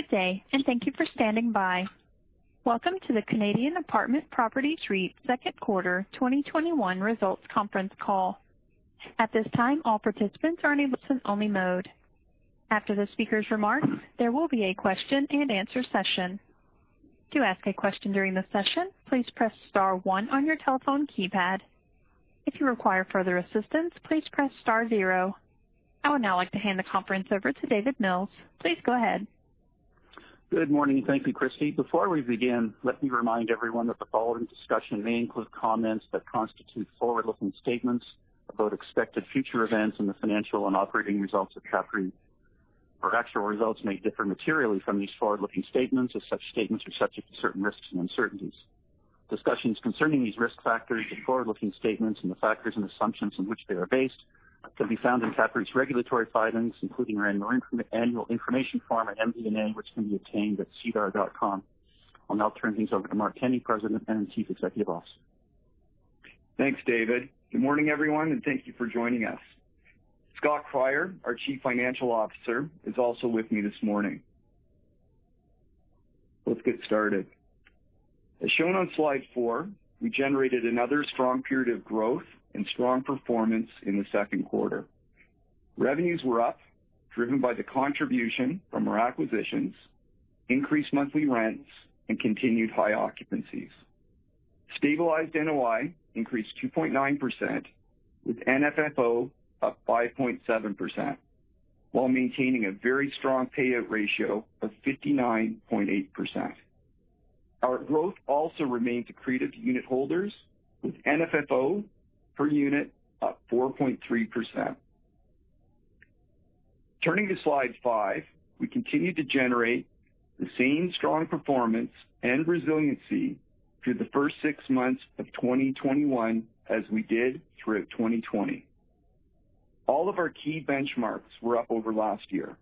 Good day, and thank you for standing by. Welcome to the Canadian Apartment Properties REIT Q2 2021 results conference call. At this time, all participants are in listen-only mode. After the speakers' remarks, there will be a question and answer session. To ask a question during the session, please press star one on your telephone keypad. If you require further assistance, please press star zero. I would now like to hand the conference over to David Mills. Please go ahead. Good morning. Thank you, Christy. Before we begin, let me remind everyone that the following discussion may include comments that constitute forward-looking statements about expected future events and the financial and operating results of CAPREIT. Our actual results may differ materially from these forward-looking statements, as such statements are subject to certain risks and uncertainties. Discussions concerning these risk factors and forward-looking statements and the factors and assumptions on which they are based can be found in CAPREIT's regulatory filings, including our annual information form and MD&A, which can be obtained at sedar.com. I'll now turn things over to Mark Kenney, President and Chief Executive Officer. Thanks, David. Good morning, everyone, and thank you for joining us. Scott Cryer, our Chief Financial Officer, is also with me this morning. Let's get started. As shown on slide 4, we generated another strong period of growth and strong performance in Q2. Revenues were up, driven by the contribution from our acquisitions, increased monthly rents, and continued high occupancies. Stabilized NOI increased 2.9%, with NFFO up 5.7%, while maintaining a very strong payout ratio of 59.8%. Our growth also remained accretive to unitholders, with FFO per unit up 4.3%. Turning to slide 5, we continued to generate the same strong performance and resiliency through the first six months of 2021 as we did throughout 2020. All of our key benchmarks were up over last year,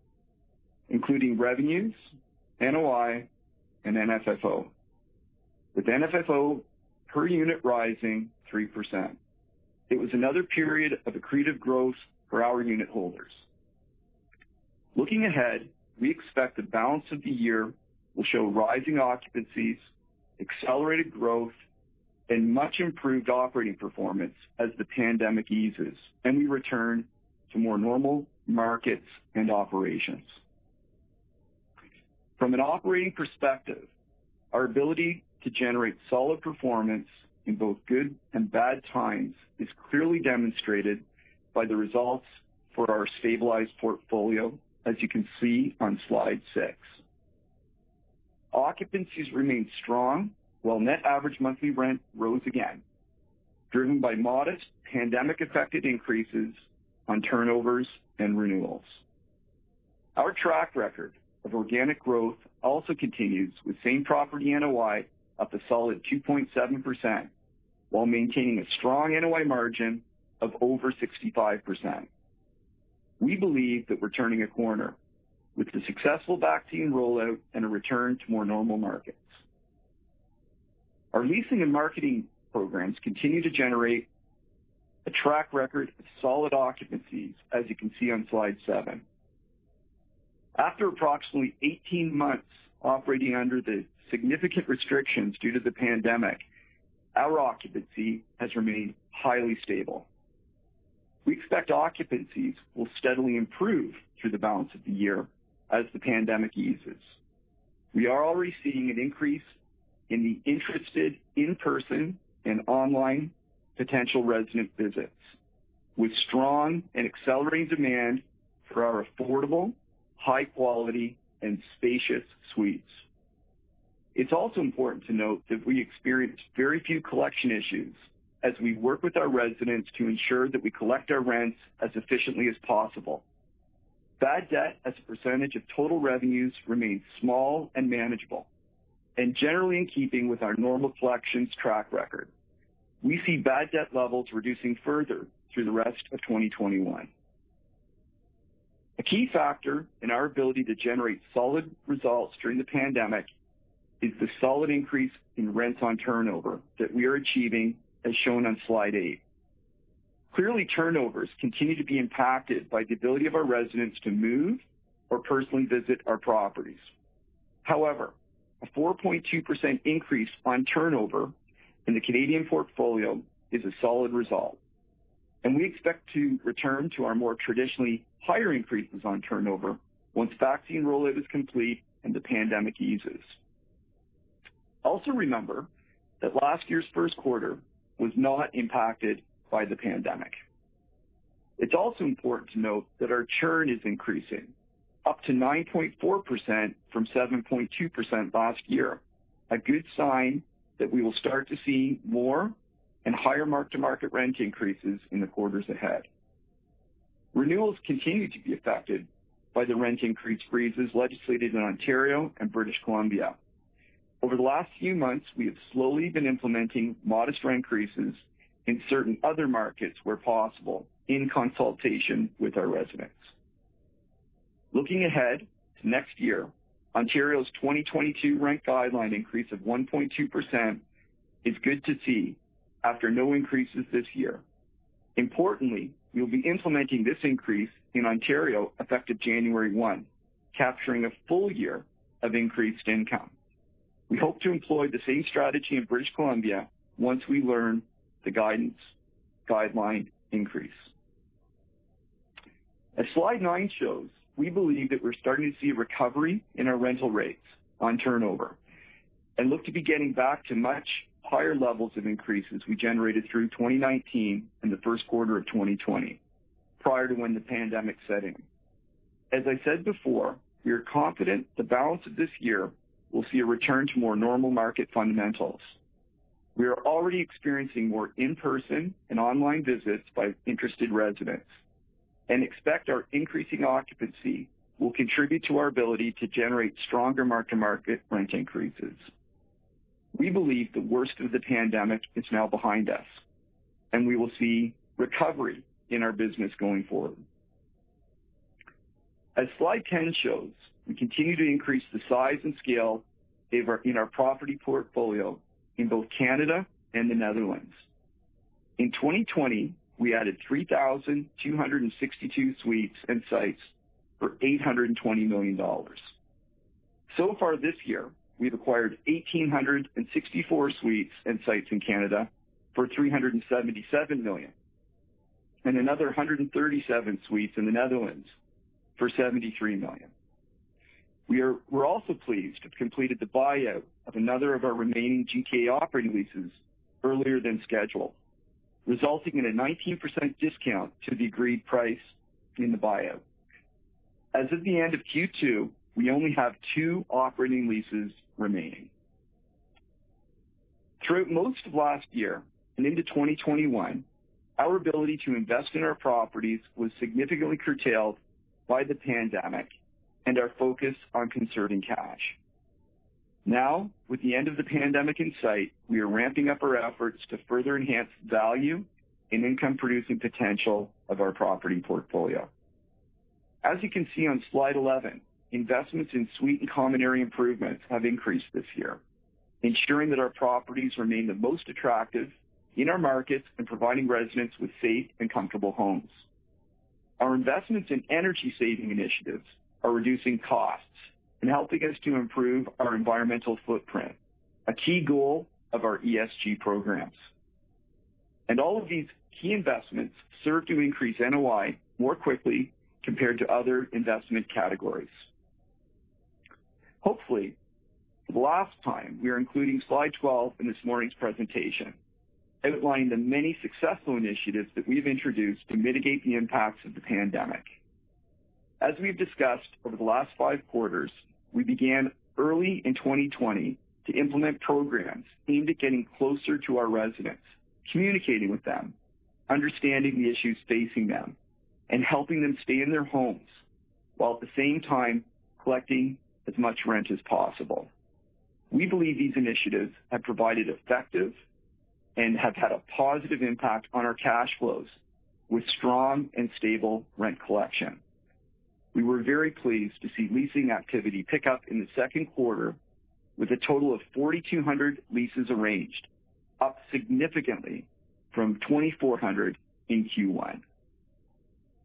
including revenues, NOI, and NFFO, with FFO per unit rising 3%. It was another period of accretive growth for our unitholders. Looking ahead, we expect the balance of the year will show rising occupancies, accelerated growth, and much improved operating performance as the pandemic eases and we return to more normal markets and operations. From an operating perspective, our ability to generate solid performance in both good and bad times is clearly demonstrated by the results for our stabilized portfolio, as you can see on slide 6. Occupancies remained strong while net average monthly rent rose again, driven by modest pandemic-affected increases on turnovers and renewals. Our track record of organic growth also continues with same property NOI up a solid 2.7% while maintaining a strong NOI margin of over 65%. We believe that we're turning a corner with the successful vaccine rollout and a return to more normal markets. Our leasing and marketing programs continue to generate a track record of solid occupancies, as you can see on slide 7. After approximately 18 months operating under the significant restrictions due to the pandemic, our occupancy has remained highly stable. We expect occupancies will steadily improve through the balance of the year as the pandemic eases. We are already seeing an increase in interested in-person and online potential resident visits, with strong and accelerating demand for our affordable, high quality, and spacious suites. It's also important to note that we experienced very few collection issues as we work with our residents to ensure that we collect our rents as efficiently as possible. Bad debt as a percentage of total revenues remained small and manageable and generally in keeping with our normal collections track record. We see bad debt levels reducing further through the rest of 2021. A key factor in our ability to generate solid results during the pandemic is the solid increase in rents on turnover that we are achieving, as shown on slide 8. Clearly, turnovers continue to be impacted by the ability of our residents to move or personally visit our properties. However, a 4.2% increase on turnover in the Canadian portfolio is a solid result, and we expect to return to our more traditionally higher increases on turnover once vaccine rollout is complete and the pandemic eases. Also remember that last year's Q1 was not impacted by the pandemic. It's also important to note that our churn is increasing up to 9.4% from 7.2% last year, a good sign that we will start to see more and higher mark-to-market rent increases in the quarters ahead. Renewals continue to be affected by the rent increase freezes legislated in Ontario and British Columbia. Over the last few months, we have slowly been implementing modest rent increases in certain other markets where possible in consultation with our residents. Looking ahead to next year, Ontario's 2022 rent guideline increase of 1.2% is good to see after no increases this year. Importantly, we will be implementing this increase in Ontario effective January 1, capturing a full year of increased income. We hope to employ the same strategy in British Columbia once we learn the guideline increase. As slide 9 shows, we believe that we're starting to see a recovery in our rental rates on turnover and look to be getting back to much higher levels of increases we generated through 2019 and the Q1 of 2020, prior to when the pandemic set in. As I said before, we are confident the balance of this year will see a return to more normal market fundamentals. We are already experiencing more in-person and online visits by interested residents and expect our increasing occupancy will contribute to our ability to generate stronger mark-to-market rent increases. We believe the worst of the pandemic is now behind us, and we will see recovery in our business going forward. As slide 10 shows, we continue to increase the size and scale in our property portfolio in both Canada and the Netherlands. In 2020, we added 3,262 suites and sites for 820 million dollars. So far this year, we've acquired 1,864 suites and sites in Canada for 377 million and another 137 suites in the Netherlands for 73 million. We're also pleased to have completed the buyout of another of our remaining GKA operating leases earlier than scheduled, resulting in a 19% discount to the agreed price in the buyout. As of the end of Q2, we only have two operating leases remaining. Throughout most of last year and into 2021, our ability to invest in our properties was significantly curtailed by the pandemic and our focus on conserving cash. Now, with the end of the pandemic in sight, we are ramping up our efforts to further enhance the value and income-producing potential of our property portfolio. As you can see on slide 11, investments in suite and common area improvements have increased this year, ensuring that our properties remain the most attractive in our markets and providing residents with safe and comfortable homes. Our investments in energy-saving initiatives are reducing costs and helping us to improve our environmental footprint, a key goal of our ESG programs. All of these key investments serve to increase NOI more quickly compared to other investment categories. Hopefully, for the last time, we are including slide 12 in this morning's presentation, outlining the many successful initiatives that we've introduced to mitigate the impacts of the pandemic. As we've discussed over the last five quarters, we began early in 2020 to implement programs aimed at getting closer to our residents, communicating with them, understanding the issues facing them, and helping them stay in their homes while at the same time collecting as much rent as possible. We believe these initiatives have provided effective and have had a positive impact on our cash flows, with strong and stable rent collection. We were very pleased to see leasing activity pick up in the Q2 with a total of 4,200 leases arranged, up significantly from 2,400 in Q1.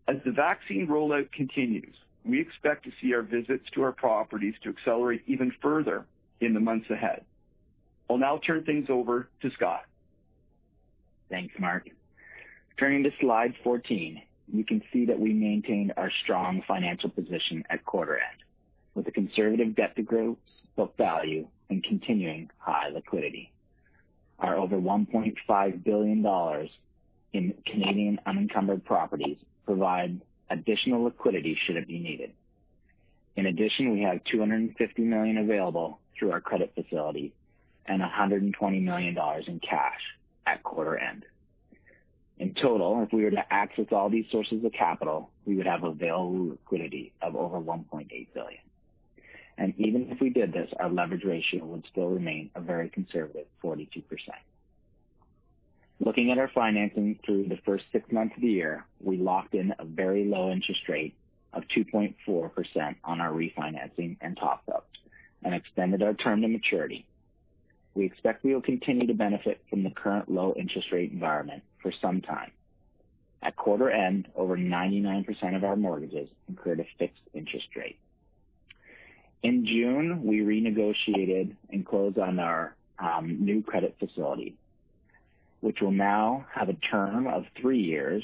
As the vaccine rollout continues, we expect to see our visits to our properties to accelerate even further in the months ahead. I'll now turn things over to Scott. Thanks, Mark. Turning to slide 14, you can see that we maintained our strong financial position at quarter end with a conservative debt-to-gross book value and continuing high liquidity. Our over 1.5 billion dollars in Canadian unencumbered properties provide additional liquidity should it be needed. We have 250 million available through our credit facility and 120 million dollars in cash at quarter end. In total, if we were to access all these sources of capital, we would have available liquidity of over 1.8 billion. Even if we did this, our leverage ratio would still remain a very conservative 42%. Looking at our financing through the first six months of the year, we locked in a very low interest rate of 2.4% on our refinancing and top-ups and extended our term to maturity. We expect we will continue to benefit from the current low interest rate environment for some time. At quarter end, over 99% of our mortgages incurred a fixed interest rate. In June, we renegotiated and closed on our new credit facility, which will now have a term of 3 years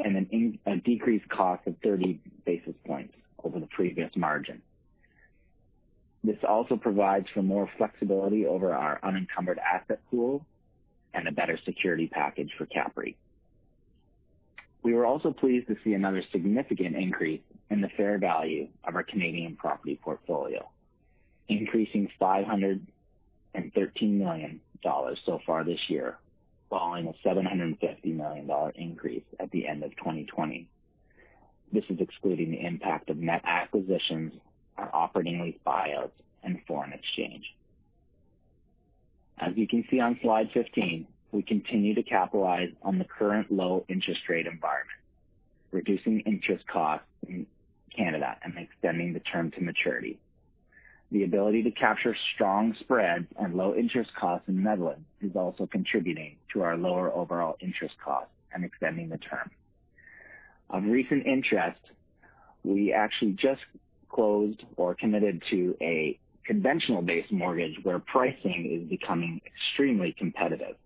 and a decreased cost of 30 basis points over the previous margin. This also provides for more flexibility over our unencumbered asset pool and a better security package for CAPREIT. We were also pleased to see another significant increase in the fair value of our Canadian property portfolio, increasing 513 million dollars so far this year, following a 750 million dollar increase at the end of 2020. This is excluding the impact of net acquisitions, our operating lease buyouts, and foreign exchange. As you can see on slide 15, we continue to capitalize on the current low interest rate environment, reducing interest costs in Canada and extending the term to maturity. The ability to capture strong spreads and low interest costs in Netherlands is also contributing to our lower overall interest costs and extending the term. On recent interest, we actually just closed or committed to a conventional base mortgage where pricing is becoming extremely competitive.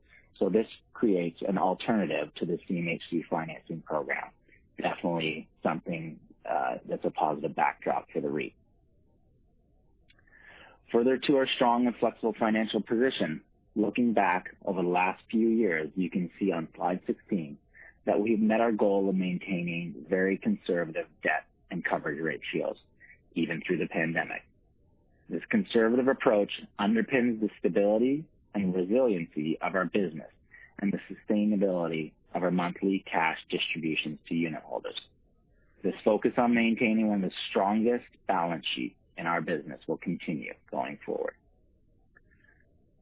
This creates an alternative to the CMHC financing program. Definitely something that's a positive backdrop for the REIT. Further to our strong and flexible financial position, looking back over the last few years, you can see on slide 16 that we have met our goal of maintaining very conservative debt and coverage ratios, even through the pandemic. This conservative approach underpins the stability and resiliency of our business and the sustainability of our monthly cash distributions to unitholders. This focus on maintaining one of the strongest balance sheets in our business will continue going forward.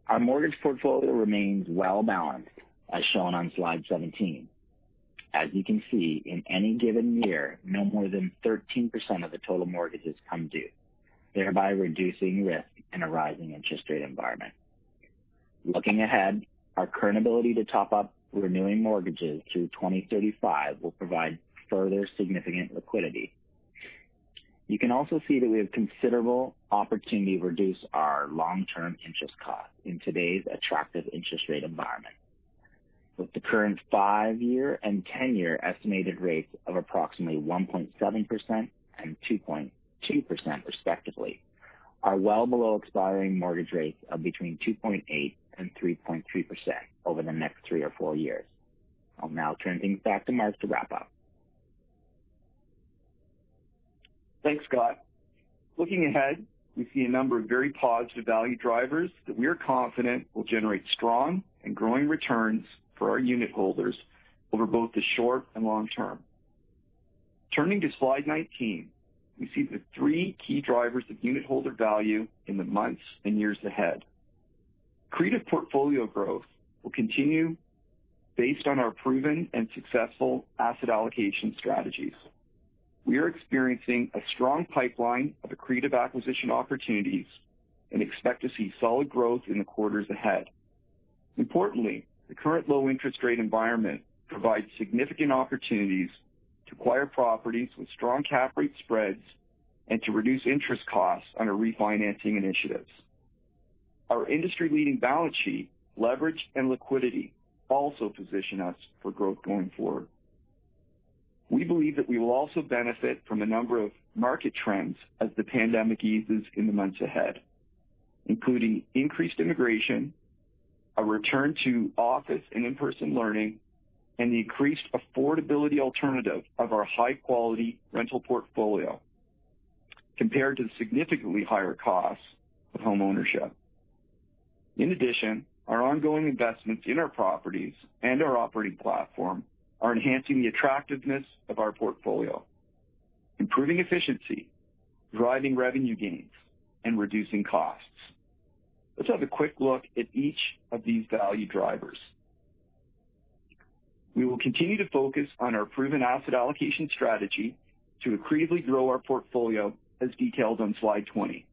Our mortgage portfolio remains well-balanced, as shown on slide 17. As you can see, in any given year, no more than 13% of the total mortgages come due, thereby reducing risk in a rising interest rate environment. Looking ahead, our current ability to top up renewing mortgages through 2035 will provide further significant liquidity. You can also see that we have a considerable opportunity to reduce our long-term interest costs in today's attractive interest rate environment. With the current five-year and 10-year estimated rates of approximately 1.7% and 2.2% respectively, are well below expiring mortgage rates of between 2.8% and 3.3% over the next three or four years. I'll now turn things back to Mark to wrap up. Thanks, Scott. Looking ahead, we see a number of very positive value drivers that we are confident will generate strong and growing returns for our unitholders over both the short and long term. Turning to slide 19, we see the three key drivers of unitholder value in the months and years ahead. Accretive portfolio growth will continue based on our proven and successful asset allocation strategies. We are experiencing a strong pipeline of accretive acquisition opportunities and expect to see solid growth in the quarters ahead. Importantly, the current low interest rate environment provides significant opportunities to acquire properties with strong cap rate spreads and to reduce interest costs on our refinancing initiatives. Our industry-leading balance sheet, leverage, and liquidity also position us for growth going forward. We believe that we will also benefit from a number of market trends as the pandemic eases in the months ahead, including increased immigration, a return to office and in-person learning, and the increased affordability alternative of our high-quality rental portfolio compared to the significantly higher costs of homeownership. In addition, our ongoing investments in our properties and our operating platform are enhancing the attractiveness of our portfolio, improving efficiency, driving revenue gains, and reducing costs. Let's have a quick look at each of these value drivers. We will continue to focus on our proven asset allocation strategy to accretively grow our portfolio, as detailed on slide 20.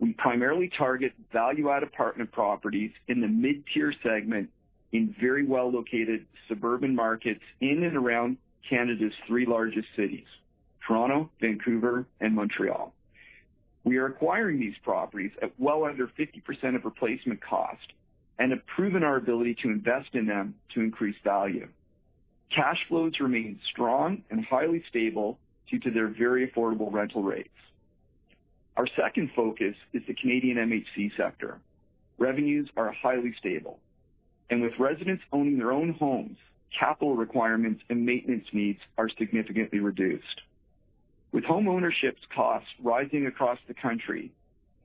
We primarily target value-add apartment properties in the mid-tier segment in very well-located suburban markets in and around Canada's three largest cities, Toronto, Vancouver, and Montreal. We are acquiring these properties at well under 50% of replacement cost and have proven our ability to invest in them to increase value. Cash flows remain strong and highly stable due to their very affordable rental rates. Our second focus is the Canadian MHC sector. Revenues are highly stable, and with residents owning their own homes, capital requirements and maintenance needs are significantly reduced. With homeownership costs rising across the country,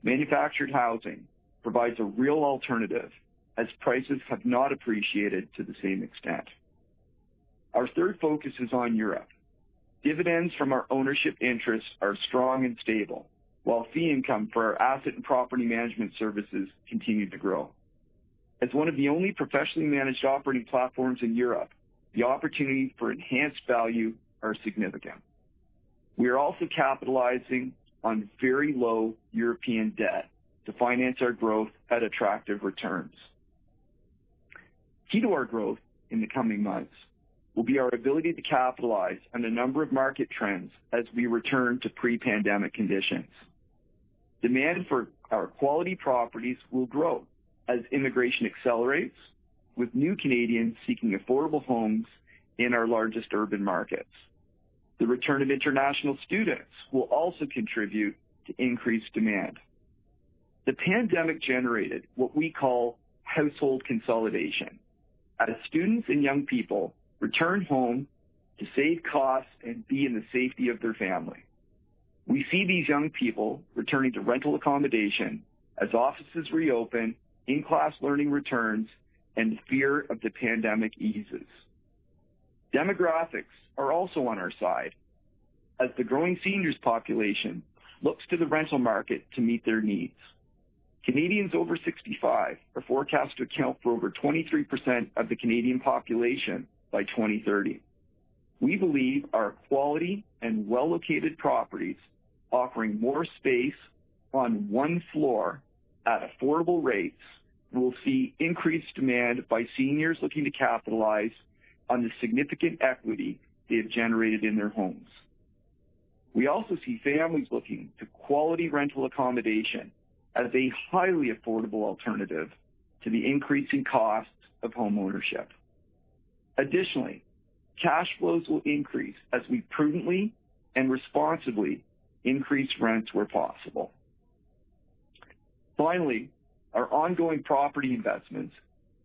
manufactured housing provides a real alternative as prices have not appreciated to the same extent. Our third focus is on Europe. Dividends from our ownership interests are strong and stable, while fee income for our asset and property management services continue to grow. As 1 of the only professionally managed operating platforms in Europe, the opportunities for enhanced value are significant. We are also capitalizing on very low European debt to finance our growth at attractive returns. Key to our growth in the coming months will be our ability to capitalize on a number of market trends as we return to pre-pandemic conditions. Demand for our quality properties will grow as immigration accelerates, with new Canadians seeking affordable homes in our largest urban markets. The return of international students will also contribute to increased demand. The pandemic generated what we call household consolidation as students and young people return home to save costs and be in the safety of their family. We see these young people returning to rental accommodation as offices reopen, in-class learning returns, and fear of the pandemic eases. Demographics are also on our side as the growing seniors population looks to the rental market to meet their needs. Canadians over 65 are forecast to account for over 23% of the Canadian population by 2030. We believe our quality and well-located properties offering more space on one floor at affordable rates will see increased demand by seniors looking to capitalize on the significant equity they have generated in their homes. We also see families looking to quality rental accommodation as a highly affordable alternative to the increasing costs of home ownership. Additionally, cash flows will increase as we prudently and responsibly increase rents where possible. Finally, our ongoing property investments,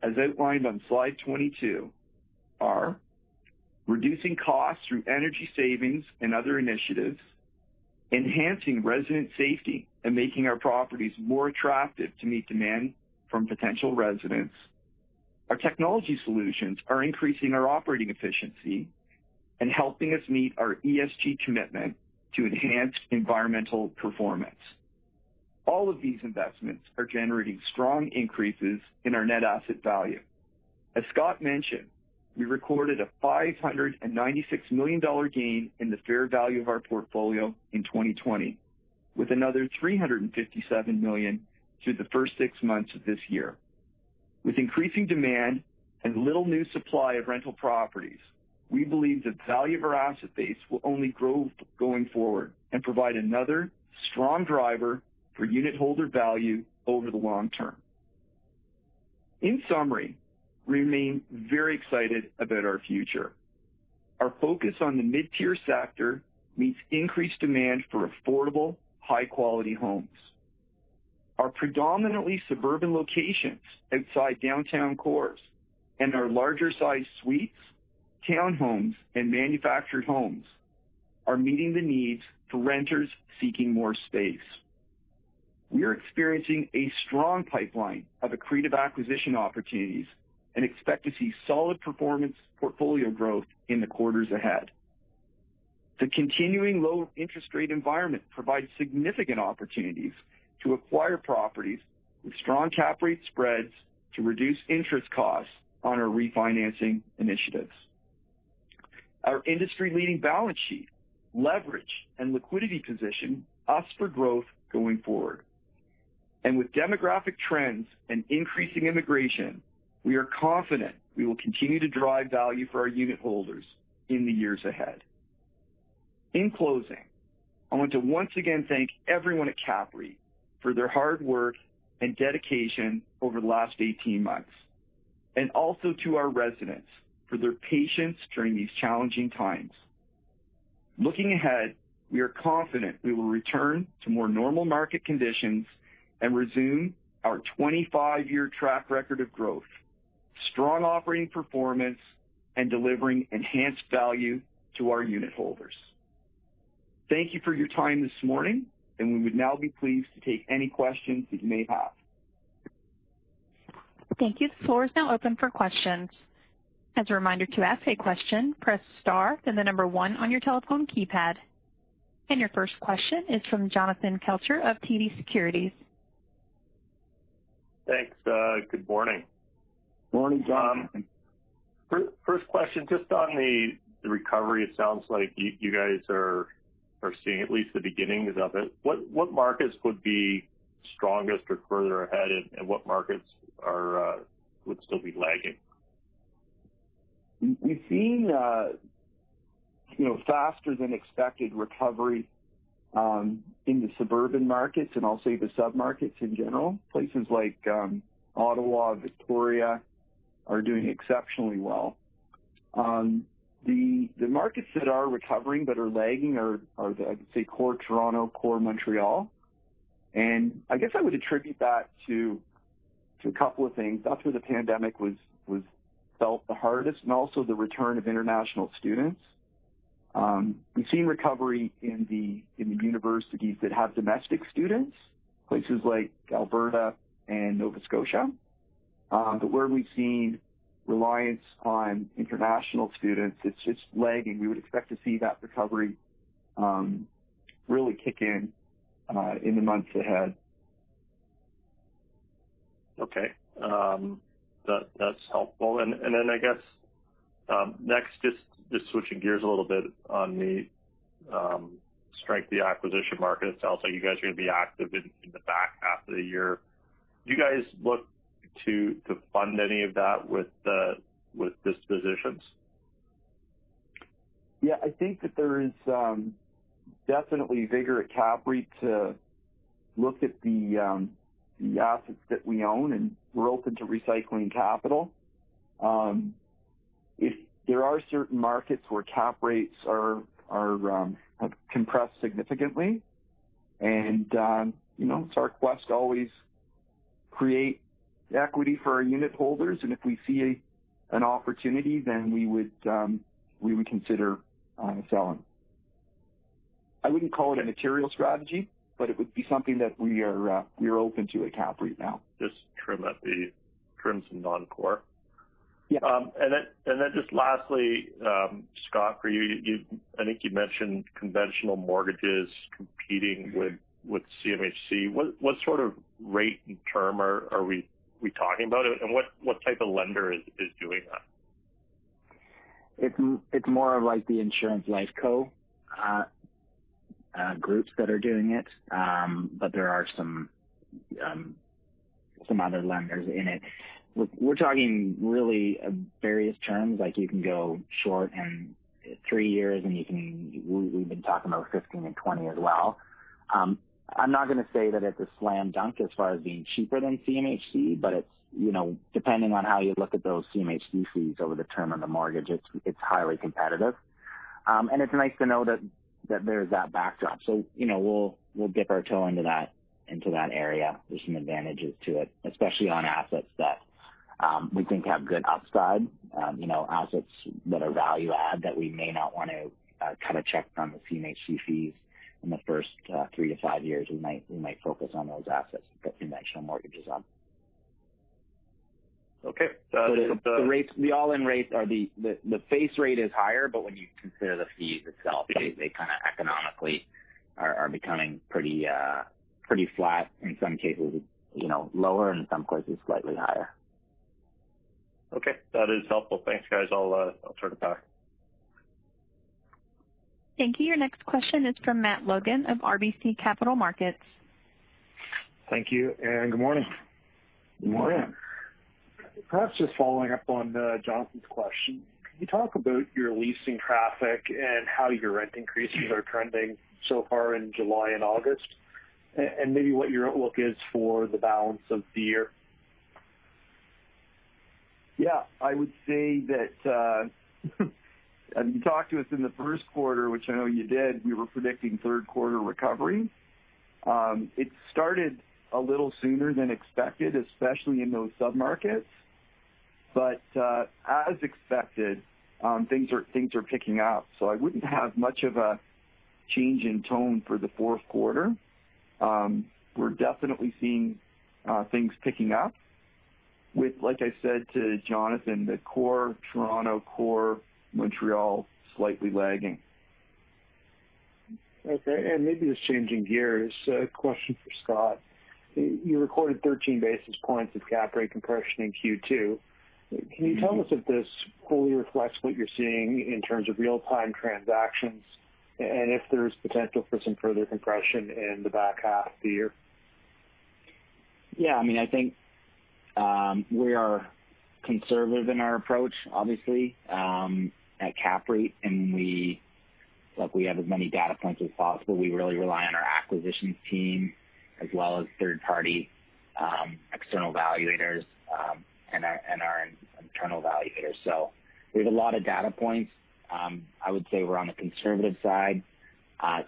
as outlined on slide 22, are reducing costs through energy savings and other initiatives, enhancing resident safety, and making our properties more attractive to meet demand from potential residents. Our technology solutions are increasing our operating efficiency and helping us meet our ESG commitment to enhance environmental performance. All of these investments are generating strong increases in our net asset value. As Scott mentioned, we recorded a 596 million dollar gain in the fair value of our portfolio in 2020, with another 357 million through the first six months of this year. With increasing demand and little new supply of rental properties, we believe the value of our asset base will only grow going forward and provide another strong driver for unitholder value over the long term. In summary, we remain very excited about our future. Our focus on the mid-tier sector meets increased demand for affordable, high-quality homes. Our predominantly suburban locations outside downtown cores and our larger size suites, townhomes, and manufactured homes are meeting the needs for renters seeking more space. We are experiencing a strong pipeline of accretive acquisition opportunities and expect to see solid performance portfolio growth in the quarters ahead. The continuing low interest rate environment provides significant opportunities to acquire properties with strong cap rate spreads to reduce interest costs on our refinancing initiatives. Our industry-leading balance sheet, leverage, and liquidity position us for growth going forward. With demographic trends and increasing immigration, we are confident we will continue to drive value for our unit holders in the years ahead. In closing, I want to once again thank everyone at CAPREIT for their hard work and dedication over the last 18 months, and also to our residents for their patience during these challenging times. Looking ahead, we are confident we will return to more normal market conditions and resume our 25-year track record of growth, strong operating performance, and delivering enhanced value to our unit holders. Thank you for your time this morning, and we would now be pleased to take any questions that you may have. Thank you. The floor is now open for questions. As a reminder, to ask a question, press star then the number 1 on your telephone keypad. Your first question is from Jonathan Kelcher of TD Securities. Thanks. Good morning. Morning, Jonathan. First question, just on the recovery, it sounds like you guys are seeing at least the beginnings of it. What markets would be strongest or further ahead, and what markets would still be lagging? We've seen a faster than expected recovery in the suburban markets, and I'll say the sub-markets in general. Places like Ottawa, Victoria are doing exceptionally well. The markets that are recovering but are lagging are, I would say, core Toronto, core Montreal. I guess I would attribute that to a couple of things. That's where the pandemic was felt the hardest and also the return of international students. We've seen recovery in the universities that have domestic students, places like Alberta and Nova Scotia. Where we've seen reliance on international students, it's just lagging. We would expect to see that recovery really kick in the months ahead. Okay. That's helpful. Then, I guess, next, just switching gears a little bit on the strength of the acquisition market, it sounds like you guys are going to be active in the back half of the year. Do you guys look to fund any of that with dispositions? Yeah, I think that there is definitely vigor at CAPREIT to look at the assets that we own, and we're open to recycling capital. There are certain markets where cap rates have compressed significantly, and it's our quest to always create equity for our unit holders, and if we see an opportunity, then we would consider selling. I wouldn't call it a material strategy, but it would be something that we are open to at CAPREIT now. Just trim at the trims and non-core. Yeah. Just lastly, Scott, for you, I think you mentioned conventional mortgages competing with CMHC. What sort of rate and term are we talking about, and what type of lender is doing that? It's more of like the insurance life co groups that are doing it. There are some other lenders in it. We're talking really various terms. You can go short in three years and we've been talking about 15 and 20 as well. I'm not going to say that it's a slam dunk as far as being cheaper than CMHC, but depending on how you look at those CMHC fees over the term of the mortgage, it's highly competitive. It's nice to know that there's that backdrop. We'll dip our toe into that area. There's some advantages to it, especially on assets that we think have good upside. Assets that are value add that we may not want to check on the CMHC fees in the first 3-5 years. We might focus on those assets and put conventional mortgages on. Okay. The all-in rate or the face rate is higher, but when you consider the fees itself, they kind of economically are becoming pretty flat. In some cases, lower. In some cases, slightly higher. Okay. That is helpful. Thanks, guys. I'll turn it back. Thank you. Your next question is from Matt Logan of RBC Capital Markets. Thank you, and good morning. Good morning. Perhaps just following up on Jonathan's question. Can you talk about your leasing traffic and how your rent increases are trending so far in July and August? Maybe what your outlook is for the balance of the year? Yeah, I would say that if you talked to us in the Q1, which I know you did, we were predicting third quarter recovery. It started a little sooner than expected, especially in those sub-markets. As expected, things are picking up. I wouldn't have much of a change in tone for the fourth quarter. We're definitely seeing things picking up with, like I said to Jonathan, the core Toronto, core Montreal slightly lagging. Okay, maybe just changing gears. A question for Scott. You recorded 13 basis points of cap rate compression in Q2. Can you tell us if this fully reflects what you're seeing in terms of real-time transactions? If there's potential for some further compression in the back half of the year? Yeah, I think we are conservative in our approach, obviously, at CAPREIT. We have as many data points as possible. We really rely on our acquisitions team as well as third-party external evaluators, and our internal evaluators. We have a lot of data points. I would say we're on the conservative side.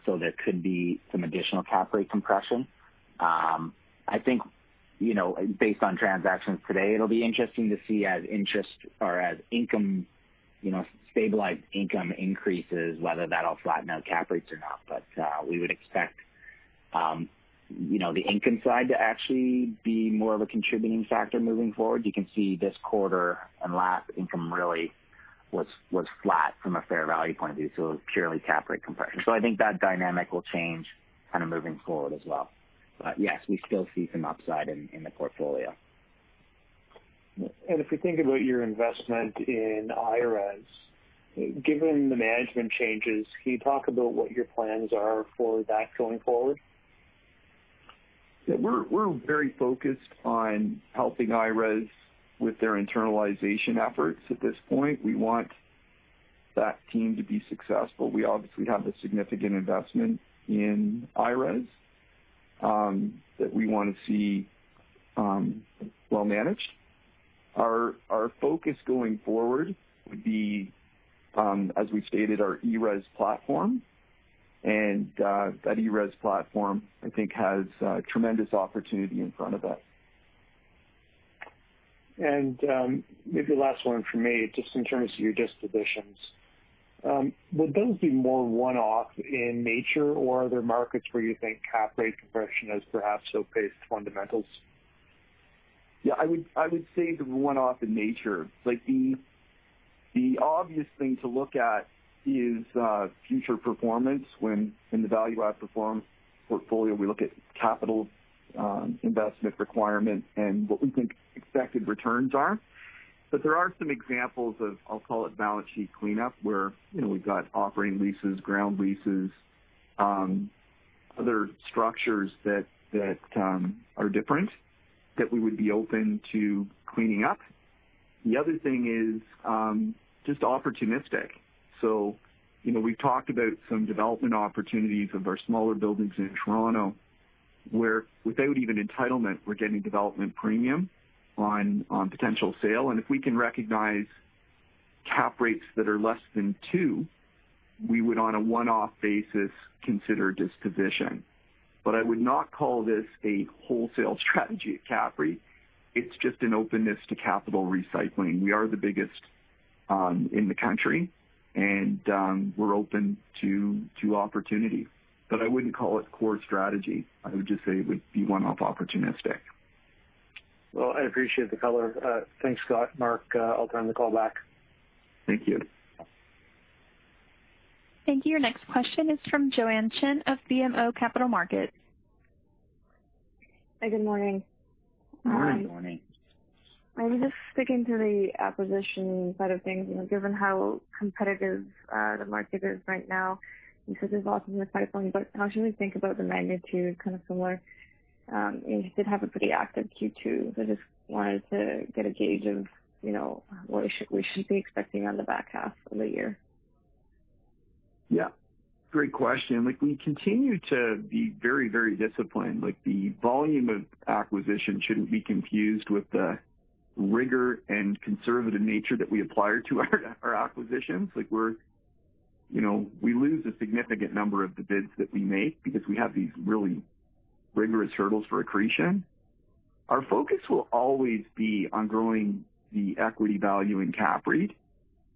There could be some additional cap rate compression. I think, based on transactions today, it'll be interesting to see as income, stabilized income increases, whether that'll flatten out cap rates or not. We would expect the income side to actually be more of a contributing factor moving forward. You can see this quarter and last income really was flat from a fair value point of view. It was purely cap rate compression. I think that dynamic will change kind of moving forward as well. Yes, we still see some upside in the portfolio. If we think about your investment in IRES, given the management changes, can you talk about what your plans are for that going forward? Yeah, we're very focused on helping IRES with their internalization efforts at this point. We want that team to be successful. We obviously have a significant investment in IRES that we want to see well-managed. Our focus going forward would be, as we stated, our ERES platform. That ERES platform, I think, has tremendous opportunity in front of it. Maybe last one from me, just in terms of your dispositions. Would those be more one-off in nature or are there markets where you think cap rate compression has perhaps outpaced fundamentals? Yeah, I would say they're one-off in nature. The obvious thing to look at is future performance when in the value add performance portfolio, we look at capital investment requirement and what we think expected returns are. But there are some examples of, I'll call it balance sheet cleanup, where we've got operating leases, ground leases, other structures that are different that we would be open to cleaning up. The other thing is just opportunistic. We've talked about some development opportunities of our smaller buildings in Toronto, where without even entitlement, we're getting development premium on potential sale. If we can recognize cap rates that are less than 2, we would on a one-off basis consider disposition. I would not call this a wholesale strategy at CAPREIT. It's just an openness to capital recycling. We are the biggest in the country, and we're open to opportunity. I wouldn't call it core strategy. I would just say it would be one-off opportunistic. Well, I appreciate the color. Thanks, Scott, Mark. I'll turn the call back. Thank you. Thank you. Your next question is from Joanne Chen of BMO Capital Markets. Hi, good morning. Good morning. Maybe just sticking to the acquisition side of things, given how competitive the market is right now because of all things in the pipeline, how should we think about the magnitude kind of similar? You did have a pretty active Q2. I just wanted to get a gauge of what we should be expecting on the back half of the year. Yeah. Great question. We continue to be very disciplined. The volume of acquisition shouldn't be confused with the rigor and conservative nature that we apply to our acquisitions. We lose a significant number of the bids that we make because we have these really rigorous hurdles for accretion. Our focus will always be on growing the equity value in CAPREIT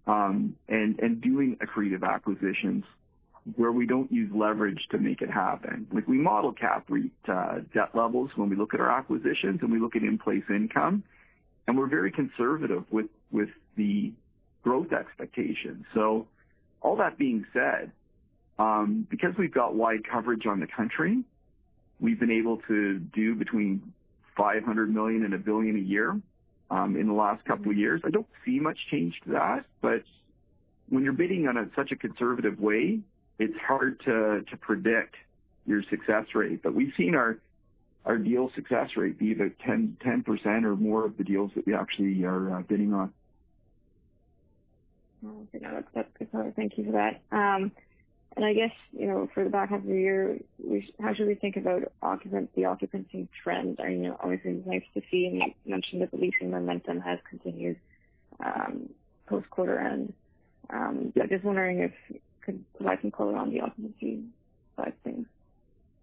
and doing accretive acquisitions where we don't use leverage to make it happen. We model CAPREIT debt levels when we look at our acquisitions, and we look at in-place income, and we're very conservative with the growth expectations. All that being said, because we've got wide coverage on the country, we've been able to do between 500 million and 1 billion a year in the last couple years. I don't see much change to that, but when you're bidding in such a conservative way, it's hard to predict your success rate. We've seen our deal success rate be the 10% or more of the deals that we actually are bidding on. Okay. No, that's helpful. Thank you for that. I guess, for the back half of the year, how should we think about the occupancy trends? I know always things nice to see, and you mentioned that the leasing momentum has continued post quarter end. Just wondering if you could provide some color on the occupancy side of things.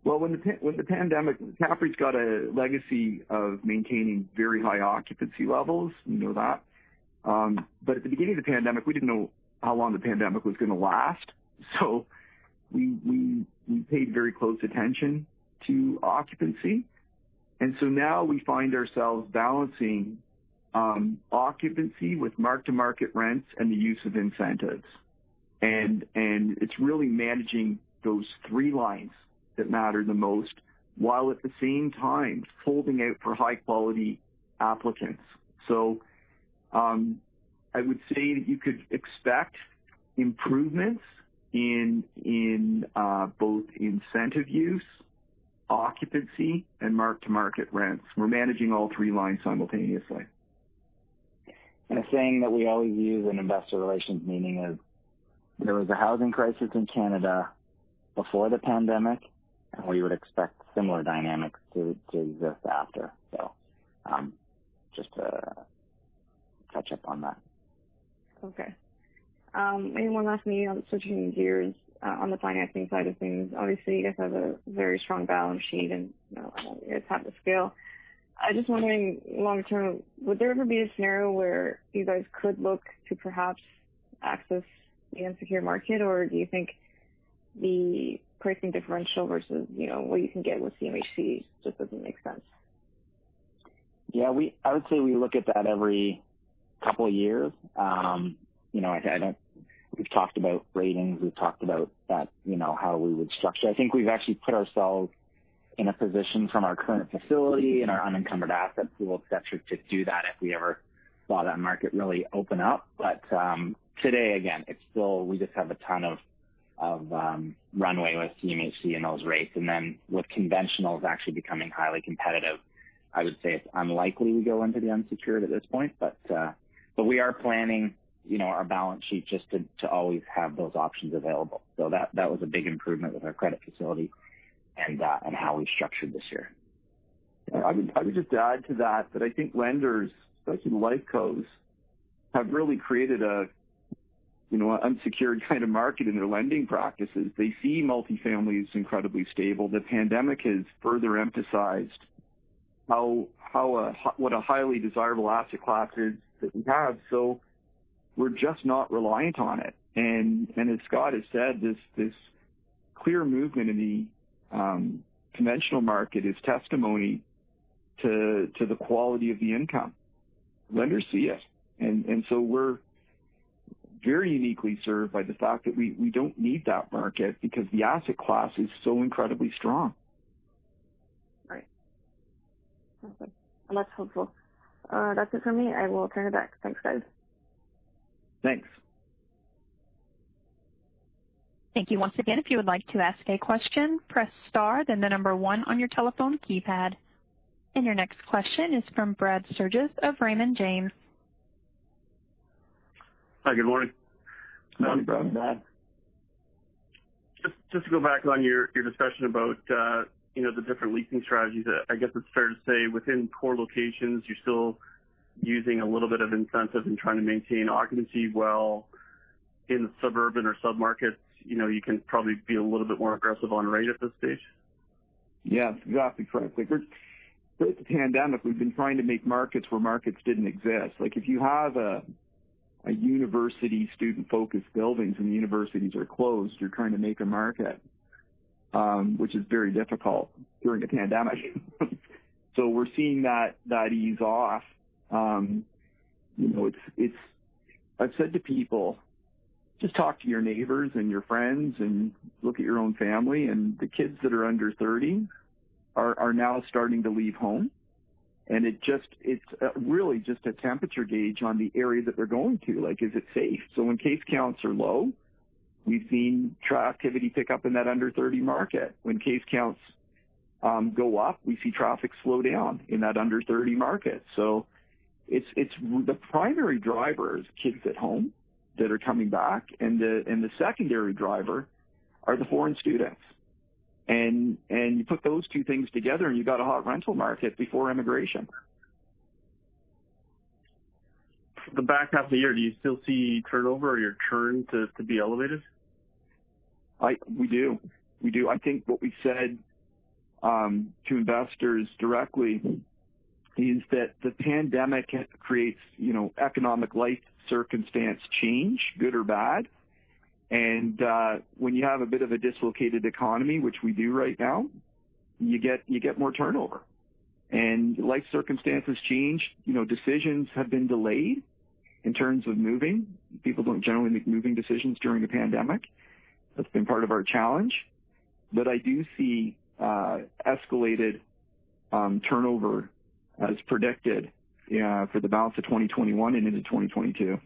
With the pandemic, CAPREIT's got a legacy of maintaining very high occupancy levels. We know that. At the beginning of the pandemic, we didn't know how long the pandemic was going to last, so we paid very close attention to occupancy. Now we find ourselves balancing occupancy with mark-to-market rents and the use of incentives. It's really managing those three lines that matter the most, while at the same time holding out for high-quality applicants. I would say that you could expect improvements in both incentive use, occupancy, and mark-to-market rents. We're managing all three lines simultaneously. A saying that we always use in investor relations meeting is there was a housing crisis in Canada before the pandemic, and we would expect similar dynamics to exist after. Just to touch up on that. Okay. Last thingy, switching gears on the financing side of things. Obviously, you guys have a very strong balance sheet, and it's hard to scale. I'm just wondering long-term, would there ever be a scenario where you guys could look to perhaps access the unsecured market, or do you think the pricing differential versus what you can get with CMHC just doesn't make sense? I would say we look at that every couple of years. We've talked about ratings. We've talked about how we would structure. I think we've actually put ourselves in a position from our current facility and our unencumbered asset pool, et cetera, to do that if we ever saw that market really open up. Today, again, we just have a ton of runway with CMHC and those rates. With conventionals actually becoming highly competitive, I would say it's unlikely we go into the unsecured at this point. We are planning our balance sheet just to always have those options available. That was a big improvement with our credit facility and how we structured this year. I would just add to that I think lenders, especially life cos, have really created an unsecured kind of market in their lending practices. They see multifamily is incredibly stable. The pandemic has further emphasized what a highly desirable asset class it is that we have. We're just not reliant on it. As Scott has said, this clear movement in the conventional market is testimony to the quality of the income. Lenders see it. We're very uniquely served by the fact that we don't need that market because the asset class is so incredibly strong. Right. Perfect. That's helpful. That's it for me. I will turn it back. Thanks, guys. Thanks. Thank you once again. Your next question is from Brad Sturges of Raymond James. Hi, good morning. Morning, Brad. Just to go back on your discussion about the different leasing strategies. I guess it's fair to say within core locations, you're still using a little bit of incentive and trying to maintain occupancy well. In the suburban or sub-markets, you can probably be a little bit more aggressive on rate at this stage? Yeah, exactly. Correct. Pre-pandemic, we've been trying to make markets where markets didn't exist. If you have a university student-focused buildings and the universities are closed, you're trying to make a market, which is very difficult during the pandemic. We're seeing that ease off. I've said to people, just talk to your neighbors and your friends, and look at your own family, and the kids that are under 30 are now starting to leave home, and it's really just a temperature gauge on the area that they're going to. Is it safe? When case counts are low, we've seen activity pick up in that under-30 market. When case counts go up, we see traffic slow down in that under-30 market. The primary driver is kids at home that are coming back, and the secondary driver are the foreign students. You put those two things together, and you got a hot rental market before immigration. For the back half of the year, do you still see turnover or churn to be elevated? We do. I think what we said to investors directly is that the pandemic creates economic life circumstance change, good or bad. When you have a bit of a dislocated economy, which we do right now, you get more turnover. Life circumstances change. Decisions have been delayed in terms of moving. People don't generally make moving decisions during a pandemic. That's been part of our challenge. I do see escalated turnover as predicted for the balance of 2021 and into 2022.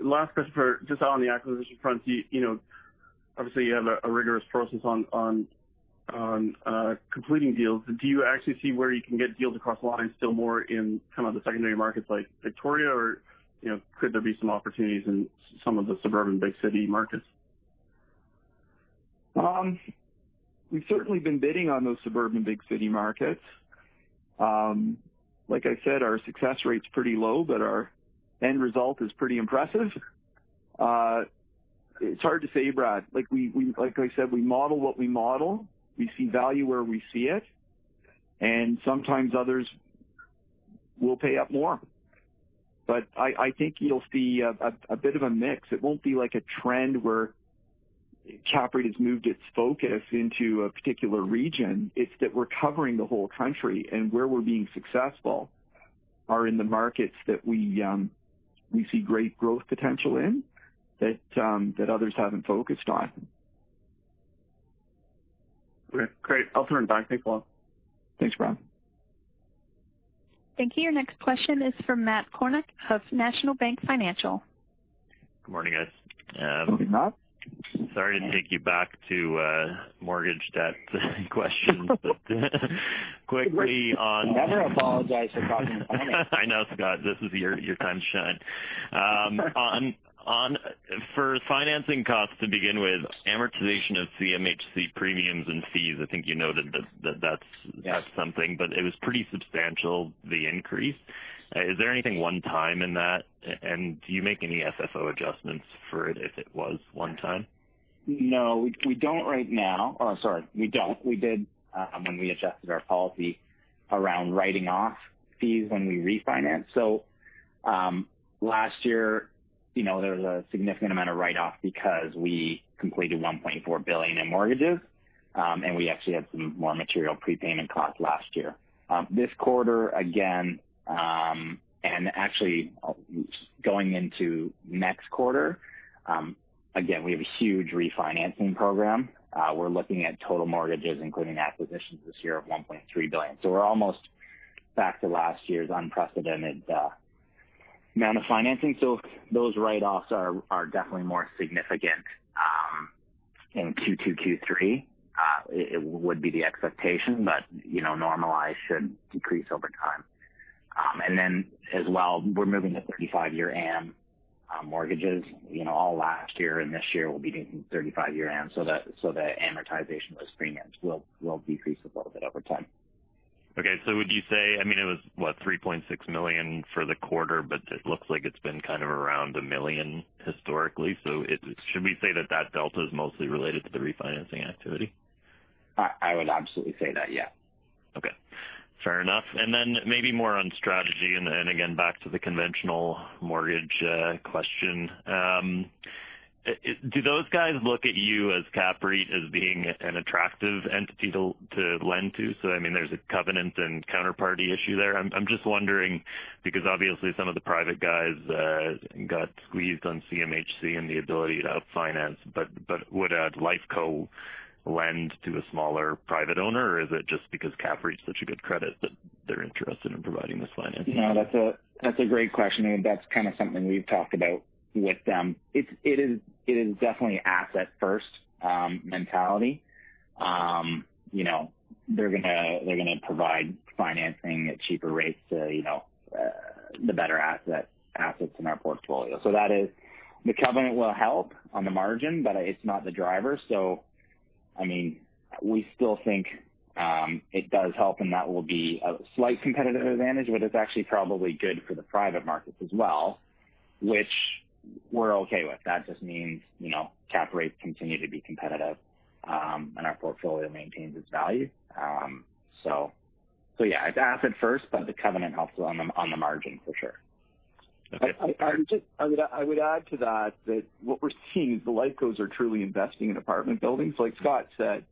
Last question for just on the acquisition front. Obviously, you have a rigorous process on completing deals. Do you actually see where you can get deals across the line still more in the secondary markets like Victoria, or could there be some opportunities in some of the suburban big city markets? We've certainly been bidding on those suburban big city markets. Like I said, our success rate's pretty low, but our end result is pretty impressive. It's hard to say, Brad. Like I said, we model what we model. We see value where we see it, and sometimes others will pay up more. I think you'll see a bit of a mix. It won't be like a trend where CAPREIT has moved its focus into a particular region. It's that we're covering the whole country, and where we're being successful are in the markets that we see great growth potential in that others haven't focused on. Okay, great. I'll turn it back. Thanks a lot. Thanks, Brad. Thank you. Your next question is from Matt Kornack of National Bank Financial. Good morning, guys. Morning, Matt. Sorry to take you back to mortgage debt questions, but quickly on. Never apologize for talking to me. I know, Scott. This is your time to shine. For financing costs to begin with, amortization of CMHC premiums and fees, I think you noted that that's something, but it was pretty substantial, the increase. Is there anything one time in that, and do you make any FFO adjustments for it if it was one time? No. We don't right now. Oh, sorry. We don't. We did when we adjusted our policy around writing off fees when we refinance. Last year, there was a significant amount of write-off because we completed 1.4 billion in mortgages, and we actually had some more material prepayment costs last year. This quarter, again, and actually going into next quarter, again, we have a huge refinancing program. We're looking at total mortgages, including acquisitions this year of 1.3 billion. We're almost back to last year's unprecedented amount of financing. Those write-offs are definitely more significant in Q2, Q3. It would be the expectation. Normalized should decrease over time. As well, we're moving to 35-year am mortgages. All last year and this year, we'll be doing 35-year ams so that amortization of those premiums will decrease a little bit over time. Okay. Would you say, it was, what, 3.6 million for the quarter, but it looks like it's been kind of around 1 million historically. Should we say that that delta is mostly related to the refinancing activity? I would absolutely say that, yeah. Okay. Fair enough. Then maybe more on strategy and again, back to the conventional mortgage question. Do those guys look at you as CAPREIT as being an attractive entity to lend to? So there's a covenant and counterparty issue there. I'm just wondering because obviously some of the private guys got squeezed on CMHC and the ability to finance. But would a life co lend to a smaller private owner, or is it just because CAPREIT is such a good credit that they're interested in providing this financing? No, that's a great question. That's kind of something we've talked about with them. It is definitely asset-first mentality. They're going to provide financing at cheaper rates to the better assets in our portfolio. The covenant will help on the margin, but it's not the driver. We still think it does help, and that will be a slight competitive advantage, but it's actually probably good for the private markets as well, which we're okay with. That just means cap rate continue to be competitive, and our portfolio maintains its value. Yeah, it's asset first, but the covenant helps on the margin for sure. I would add to that what we're seeing is the life cos are truly investing in apartment buildings. Like Scott said,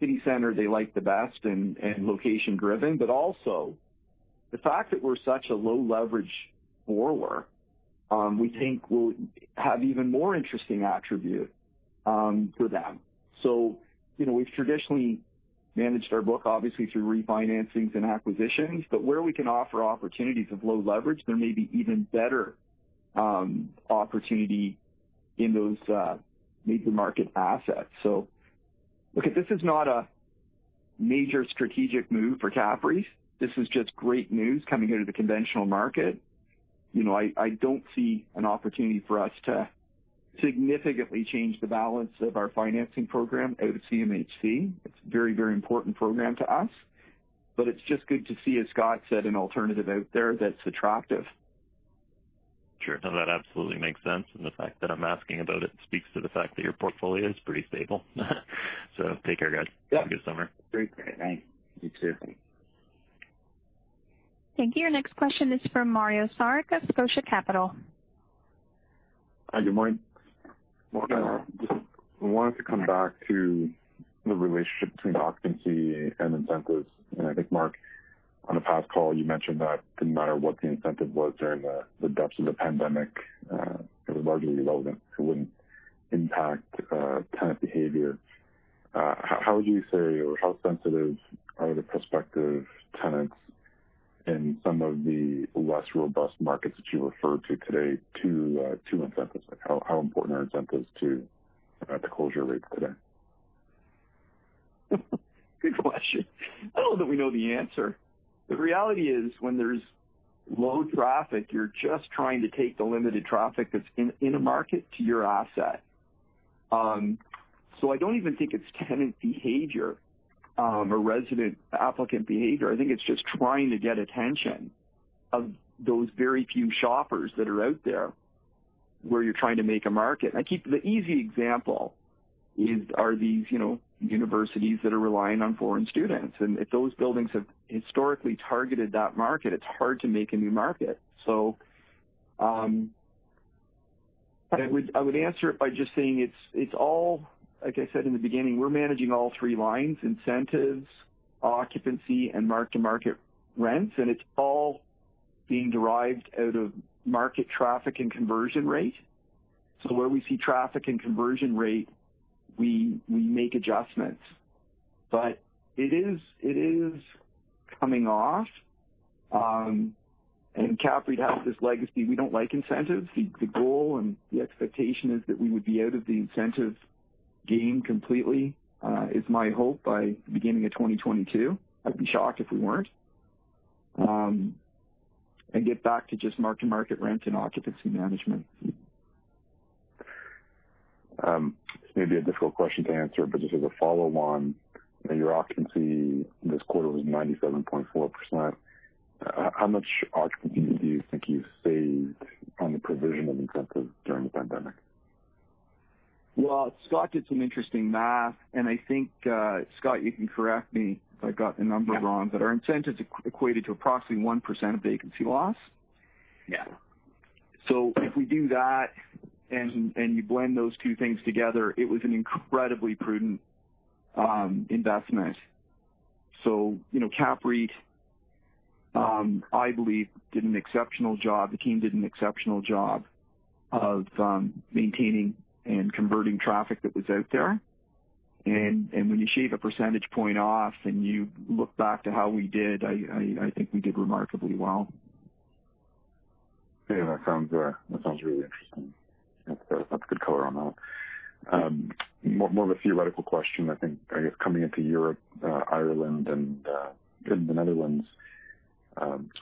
city center, they like the best and location-driven, but also the fact that we're such a low leverage borrower, we think will have even more interesting attribute to them. We've traditionally managed our book, obviously, through refinancings and acquisitions, but where we can offer opportunities of low leverage, there may be even better opportunity in those major market assets. Look, this is not a major strategic move for CAPREIT. This is just great news coming out of the conventional market. I don't see an opportunity for us to significantly change the balance of our financing program out of CMHC. It's a very important program to us, but it's just good to see, as Scott said, an alternative out there that's attractive. Sure. No, that absolutely makes sense. The fact that I'm asking about it speaks to the fact that your portfolio is pretty stable. Take care, guys. Yep. Have a good summer. Great. Great. Thanks. You too. Thank you. Your next question is from Mario Saric, Scotia Capital. Hi, good morning. Morning. Just wanted to come back to the relationship between occupancy and incentives. I think, Mark, on a past call, you mentioned that it didn't matter what the incentive was during the depths of the pandemic, it was largely irrelevant. It wouldn't impact tenant behavior. How would you say, or how sensitive are the prospective tenants in some of the less robust markets that you referred to today to incentives? How important are incentives to the closure rates today? Good question. I don't know that we know the answer. The reality is when there's low traffic, you're just trying to take the limited traffic that's in a market to your asset. I don't even think it's tenant behavior, or resident applicant behavior. I think it's just trying to get attention of those very few shoppers that are out there where you're trying to make a market. The easy example are these universities that are relying on foreign students. If those buildings have historically targeted that market, it's hard to make a new market. I would answer it by just saying it's all, like I said in the beginning, we're managing all 3 lines, incentives, occupancy, and mark-to-market rents, and it's all being derived out of market traffic and conversion rate. Where we see traffic and conversion rate, we make adjustments. It is coming off. CAPREIT has this legacy. We don't like incentives. The goal and the expectation is that we would be out of the incentive game completely, is my hope by beginning of 2022. I'd be shocked if we weren't. Get back to just mark-to-market rent and occupancy management. This may be a difficult question to answer, but just as a follow-on, your occupancy this quarter was 97.4%. How much occupancy do you think you've saved on the provision of incentives during the pandemic? Well, Scott did some interesting math, and I think, Scott, you can correct me if I've got the number wrong. Yeah Our incentives equated to approximately 1% of vacancy loss. Yeah. If we do that and you blend those two things together, it was an incredibly prudent investment. CAPREIT, I believe did an exceptional job. The team did an exceptional job of maintaining and converting traffic that was out there. When you shave a percentage point off and you look back to how we did, I think we did remarkably well. Yeah, that sounds really interesting. That's good color on that. More of a theoretical question, I think. I guess coming into Europe, Ireland, and the Netherlands,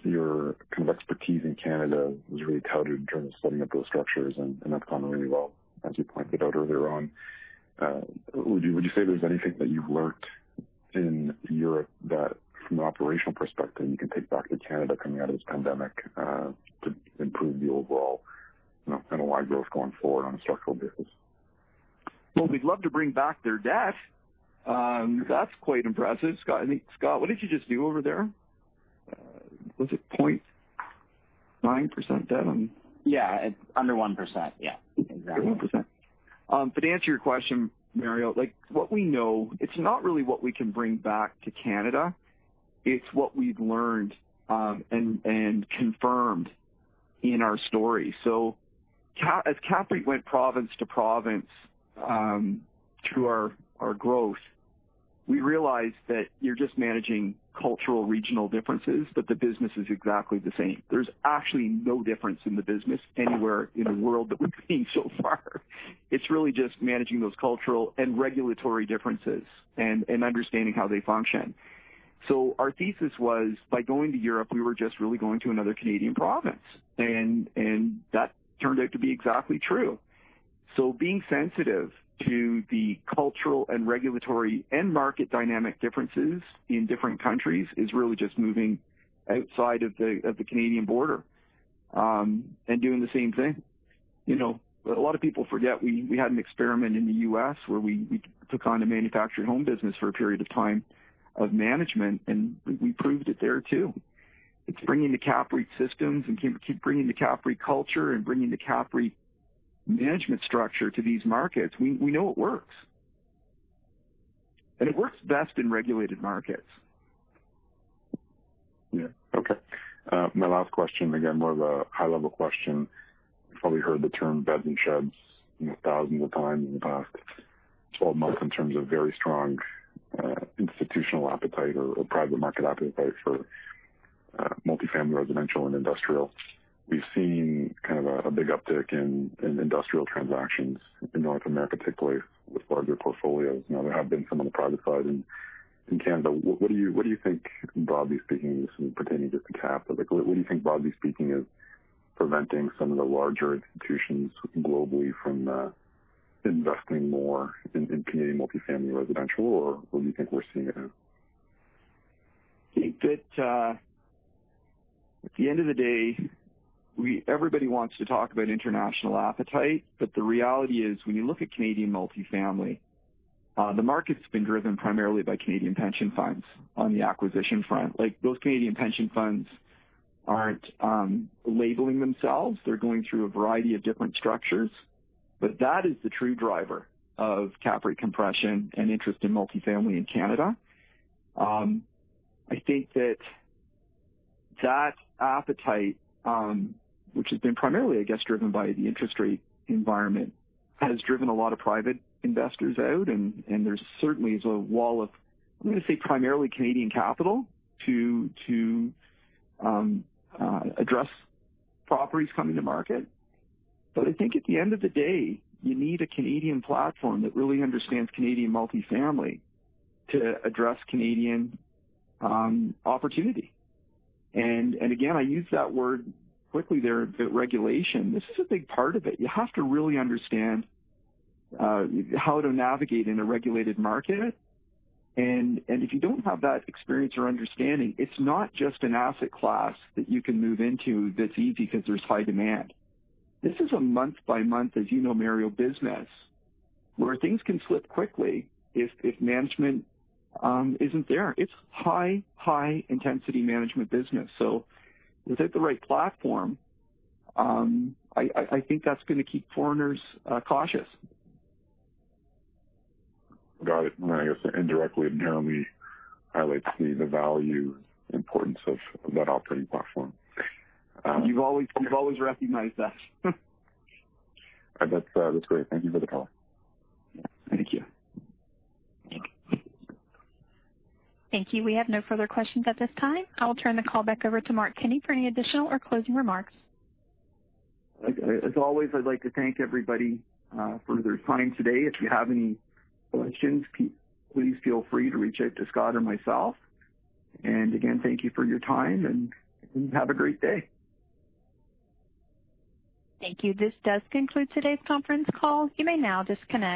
your kind of expertise in Canada was really touted in terms of setting up those structures, and that's gone really well as you pointed out earlier on. Would you say there's anything that you've learned in Europe that from an operational perspective, you can take back to Canada coming out of this pandemic, to improve the overall NOI growth going forward on a structural basis? Well, we'd love to bring back their debt. That's quite impressive. Scott, what did you just do over there? Was it 0.9% debt on- Yeah. Under 1%. Yeah, exactly. 1%. To answer your question, Mario, what we know, it's not really what we can bring back to Canada. It's what we've learned and confirmed in our story. As CAPREIT went province to province through our growth, we realized that you're just managing cultural regional differences, but the business is exactly the same. There's actually no difference in the business anywhere in the world that we've been so far. It's really just managing those cultural and regulatory differences and understanding how they function. Our thesis was by going to Europe, we were just really going to another Canadian province, and that turned out to be exactly true. Being sensitive to the cultural and regulatory and market dynamic differences in different countries is really just moving outside of the Canadian border, and doing the same thing. A lot of people forget we had an experiment in the U.S. where we took on a manufactured home business for a period of time of management, and we proved it there too. It's bringing the CAPREIT systems and keep bringing the CAPREIT culture and bringing the CAPREIT management structure to these markets. We know it works. It works best in regulated markets. Okay. My last question, again, more of a high-level question. You probably heard the term beds and sheds thousands of times in the past 12 months in terms of very strong institutional appetite or private market appetite for multifamily residential and industrial. We've seen kind of a big uptick in industrial transactions in North America, particularly with larger portfolios. There have been some on the private side in Canada. What do you think, broadly speaking, this pertaining just to CAPREIT, but what do you think, broadly speaking, is preventing some of the larger institutions globally from investing more in Canadian multifamily residential? Where do you think we're seeing it now? I think that at the end of the day, everybody wants to talk about international appetite, but the reality is, when you look at Canadian multifamily, the market's been driven primarily by Canadian pension funds on the acquisition front. Those Canadian pension funds aren't labeling themselves. They're going through a variety of different structures. That is the true driver of cap rate compression and interest in multifamily in Canada. I think that that appetite, which has been primarily, I guess, driven by the interest rate environment, has driven a lot of private investors out, and there certainly is a wall of, I'm going to say, primarily Canadian capital to address properties coming to market. I think at the end of the day, you need a Canadian platform that really understands Canadian multifamily to address Canadian opportunity. Again, I use that word quickly there, but regulation, this is a big part of it. You have to really understand how to navigate in a regulated market. If you don't have that experience or understanding, it's not just an asset class that you can move into that's easy because there's high demand. This is a month-by-month, as you know, Mario, business where things can slip quickly if management isn't there. It's high intensity management business. Without the right platform, I think that's going to keep foreigners cautious. Got it. I guess indirectly it narrowly highlights the value importance of that operating platform. You've always recognized that. That's great. Thank you for the call. Thank you. Thank you. We have no further questions at this time. I will turn the call back over to Mark Kenney for any additional or closing remarks. As always, I'd like to thank everybody for their time today. If you have any questions, please feel free to reach out to Scott or myself. Again, thank you for your time, and have a great day. Thank you. This does conclude today's conference call. You may now disconnect.